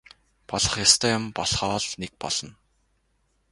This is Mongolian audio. Болох ёстой юм болохоо л нэг болно.